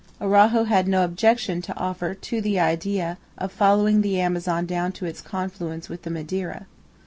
Araujo had no objection to offer to the idea of following the Amazon down to its confluence with the Madeira.